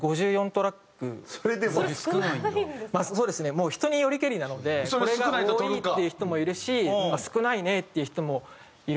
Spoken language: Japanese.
もう人によりけりなのでこれが多いっていう人もいるし少ないねっていう人もいると思うので。